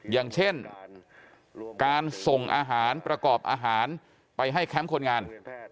อย่างเช่นการส่งอาหารประกอบอาหารไปให้แคมป์คนงาน